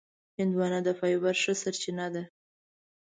هندوانه د فایبر ښه سرچینه ده.